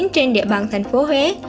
trên địa bàn thành phố huế